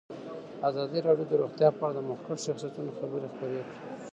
ازادي راډیو د روغتیا په اړه د مخکښو شخصیتونو خبرې خپرې کړي.